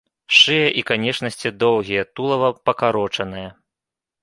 Шыя і канечнасці доўгія, тулава пакарочанае.